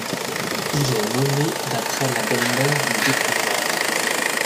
Il est nommé d'après la belle-mère du découvreur.